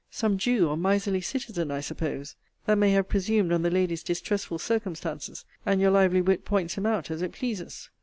Some Jew or miserly citizen, I suppose, that may have presumed on the lady's distressful circumstances; and your lively wit points him out as it pleases.